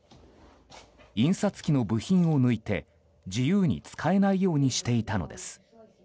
印刷機の部品を抜いて自由に使えないようにしていたのです。